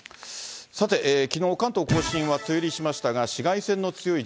さて、きのう、関東甲信は梅雨入りしましたが、紫外線の強い